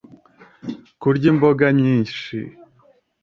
Kurya imboga nyinshi.